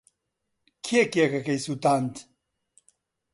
کێ کێکەکەی سووتاند؟